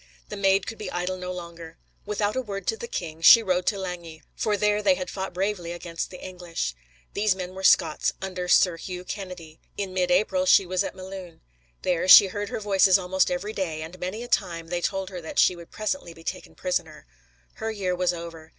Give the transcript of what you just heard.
The Maid could be idle no longer. Without a word to the king, she rode to Lagny, "for there they had fought bravely against the English." These men were Scots, under Sir Hugh Kennedy. In mid April she was at Melun. There "she heard her Voices almost every day, and many a time they told her that she would presently be taken prisoner." Her year was over.